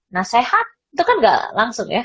nah sehat itu kan gak langsung ya